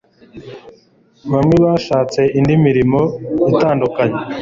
Bamwe bashatse indi mirimo itandukanye